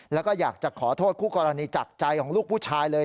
แล้วก็อยากจะขอโทษคู่กรณีจากใจของลูกผู้ชายเลย